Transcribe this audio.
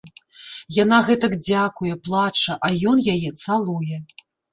Яна гэтак дзякуе, плача, а ён яе цалуе.